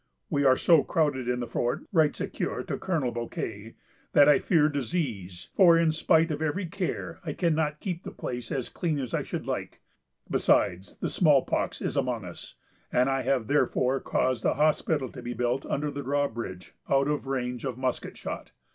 "We are so crowded in the fort," writes Ecuyer to Colonel Bouquet, "that I fear disease; for, in spite of every care, I cannot keep the place as clean as I should like. Besides, the small pox is among us; and I have therefore caused a hospital to be built under the drawbridge, out of range of musket shot....